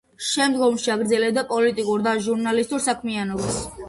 შემდგომში აგრძელებდა პოლიტიკურ და ჟურნალისტურ საქმიანობას.